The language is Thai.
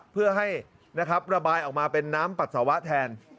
เพื่อให้นะครับระบายออกมาเป็นน้ำปัสสาวะแทน